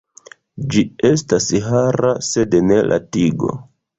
Ĝi estas hara sed ne la tigo.